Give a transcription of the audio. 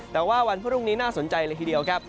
แต่ว่าวันพรุ่งนี้น่าสนใจเลยทีเดียวครับ